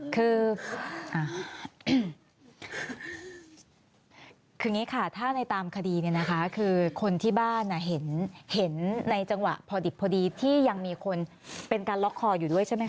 คือคืออย่างนี้ค่ะถ้าในตามคดีเนี่ยนะคะคือคนที่บ้านเห็นในจังหวะพอดิบพอดีที่ยังมีคนเป็นการล็อกคออยู่ด้วยใช่ไหมค